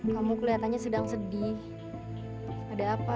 kamu kelihatannya sedang sedih ada apa